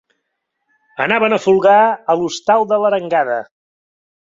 Anaven a folgar a l'hostal de l'Arengada.